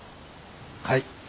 はい。